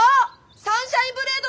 サンシャインブレードだ！